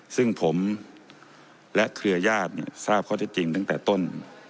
ซึ่งผมและเครือญาติเนี่ยทราบเขาจริงตั้งแต่ต้น